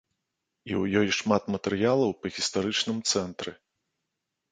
І ў ёй шмат матэрыялаў па гістарычным цэнтры.